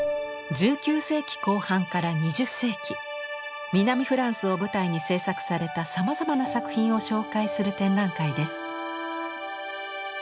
１９世紀後半から２０世紀南フランスを舞台に制作されたさまざまな作品を紹介する展覧会です。